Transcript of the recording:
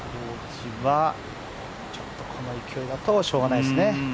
ちょっとこの勢いだとしょうがないですね。